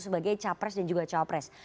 sebagai capres dan juga cawapres